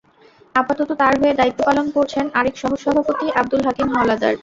আপাতত তাঁর হয়ে দায়িত্ব পালন করছেন আরেক সহসভাপতি আবদুল হাকিম হাওলাদার।